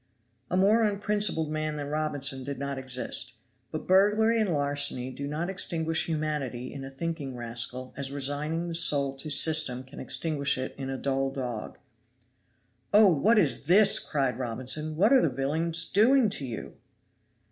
A more unprincipled man than Robinson did not exist; but burglary and larceny do not extinguish humanity in a thinking rascal as resigning the soul to system can extinguish it in a dull dog. "Oh, what is this!" cried Robinson, "what are the villains doing to you?"